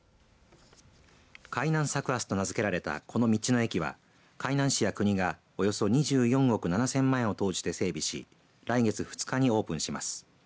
海南サクアスと名付けられたこの道の駅は海南市や国がおよそ２４億７０００万円を投じて整備し来月２日にオープンします。